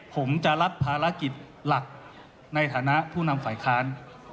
ผมจะรับภารกิจหลักในฐานะผู้นำฝ่ายค้าน